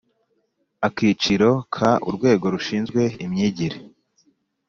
Akiciro ka urwego rushinzwe imyigire